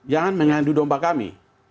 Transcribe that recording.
jangan mengandung domba kami